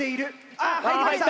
あっ入りました